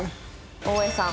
大江さん。